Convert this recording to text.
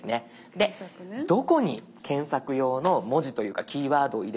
でどこに検索用の文字というかキーワードを入れれば。